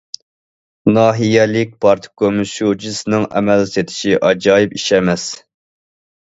ناھىيەلىك پارتكوم شۇجىسىنىڭ ئەمەل سېتىشى ئاجايىپ ئىش ئەمەس.